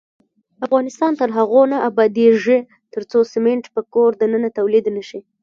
افغانستان تر هغو نه ابادیږي، ترڅو سمنټ په کور دننه تولید نشي.